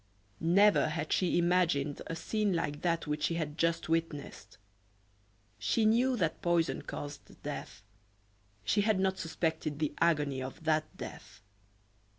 Never had she imagined a scene like that which she had just witnessed. She knew that poison caused death; she had not suspected the agony of that death.